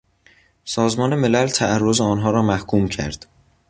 سازمان ملل تعرض آنها را محکوم کرد.